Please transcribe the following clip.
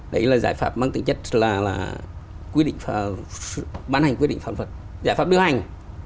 đấy là giải pháp mang tính chất là quy định phản phật giải pháp điều hành